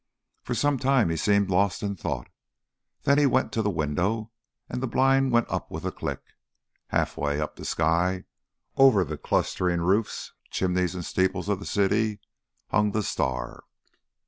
For some time he seemed lost in thought. Then he went to the window, and the blind went up with a click. Half way up the sky, over the clustering roofs, chimneys and steeples of the city, hung the star.